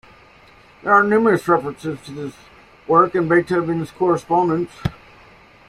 There are numerous references to this work in Beethoven's correspondence.